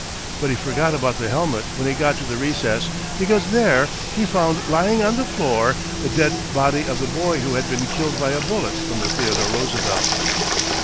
But he forgot about the helmet when he got to the recess, because there he found lying on the floor the dead body of the boy who had been killed by a bullet from the Theodore Roosevelt.